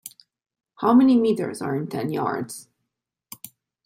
How many meters are in ten yards?